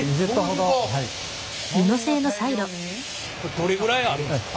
どれぐらいあるんですか？